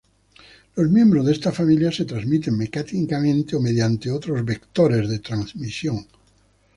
Los miembros de esta familia se transmiten mecánicamente o mediante otros vectores de transmisión.